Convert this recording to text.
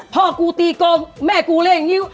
พ่อกูตีกองแม่กูเล่งนิ้ว